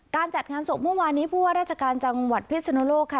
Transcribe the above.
จัดงานศพเมื่อวานนี้ผู้ว่าราชการจังหวัดพิศนุโลกค่ะ